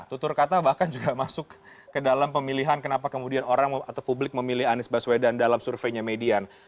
tutur kata bahkan juga masuk ke dalam pemilihan kenapa kemudian orang atau publik memilih anies baswedan dalam surveinya median